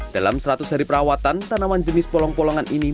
dalam seratus hari perawatan tanaman jenis polong polongan ini